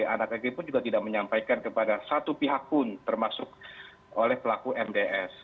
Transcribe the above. anak ag pun juga tidak menyampaikan kepada satu pihak pun termasuk oleh pelaku mds